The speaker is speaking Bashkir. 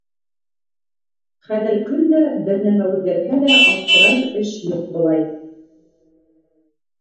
Хәҙер көн дә бер нәмә үҙгәрһә лә аптырар эш юҡ, былай.